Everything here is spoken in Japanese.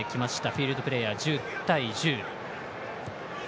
フィールドプレーヤー１０対１０。